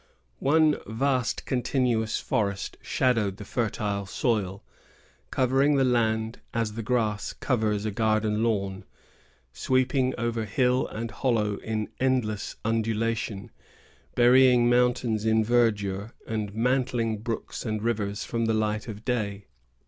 One vast, continuous forest shadowed the fertile soil, covering the land as the grass covers a garden lawn, sweeping over hill and hollow in endless undulation, burying mountains in verdure, and mantling brooks and rivers from the light of day.